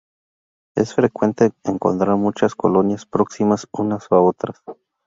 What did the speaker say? Es frecuente encontrar muchas colonias próximas unas a otras.